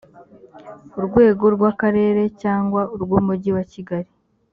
urwego rw’akarere cyangwa urw’umujyi wa kigali